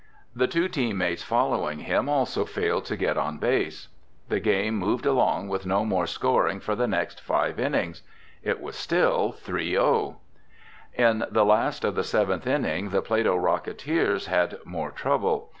The two teammates following him also failed to get on base. The game moved along with no more scoring for the next five innings. It was still 3 0. In the last of the seventh inning the Plato Rocketeers had more trouble.